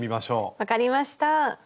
分かりました。